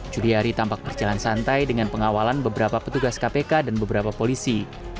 juliari tampak berjalan santai dengan pengawalan beberapa petugas kpk dan beberapa polisi